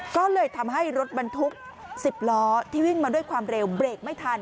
ก็เลยทำให้รถบรรทุก๑๐ล้อที่วิ่งมาด้วยความเร็วเบรกไม่ทัน